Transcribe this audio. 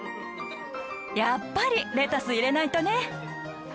やっぱりレタス入れないとね！